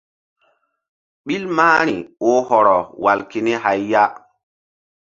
Ɓil mahri oh hɔrɔ wal keni hay ya.